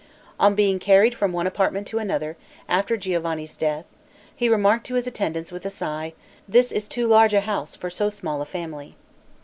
On being carried from one apartment to another, after Giovanni's death, he remarked to his attendants, with a sigh, "This is too large a house for so small a family."